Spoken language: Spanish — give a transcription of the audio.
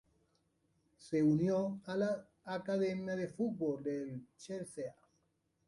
Se unió a la academia de fútbol del Chelsea.